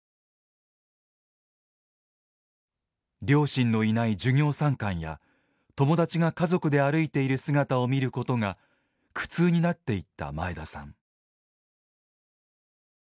両親のいない授業参観や友達が家族で歩いている姿を見ることが苦痛になっていった前田さん。